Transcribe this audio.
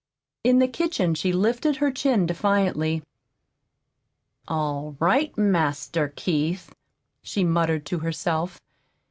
In the kitchen she lifted her chin defiantly. "All right, Master Keith," she muttered to herself.